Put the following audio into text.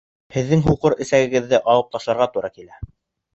Һеҙҙең һуҡыр эсәгегеҙҙе алып ташларға тура килә